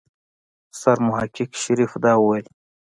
سرمحقق شريف دا وويل.